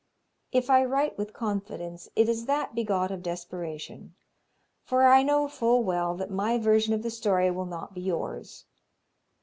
If I write with confidence it is that begot of desperation, for I know full well that my version of the story will not be yours.